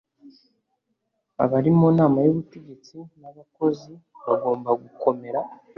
Abari mu nama y ubutegetsi n abakozi bagomba gukomera